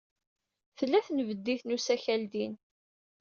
Tella tenbeddit n usakal din.